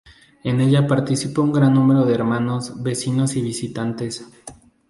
En ella participa un gran número de hermanos, vecinos y visitantes.